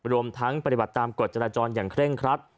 รวมทั้งปฏิบัติตามกฎจราจรอย่างเคร่งครัด